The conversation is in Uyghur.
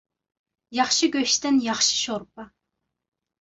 ياخشى گۆشتىن ياخشى شورپا.